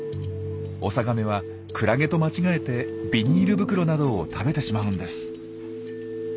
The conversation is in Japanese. オサガメはクラゲと間違えてビニール袋などを食べてしまうんです。